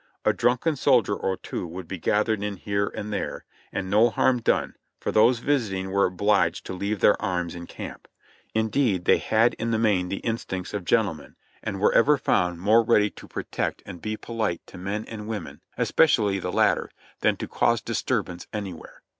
A drunken soldier or two would be gathered in here and there, and no harm done, for those visiting were obliged to leave their arms in camp. Indeed, they had in the main the in stincts of gentlemen, and were ever found more ready to protect I02 JOHNNY REB AND BILLY YANK and be polite to men and women, especially the latter, than to cause disturbance anywhere.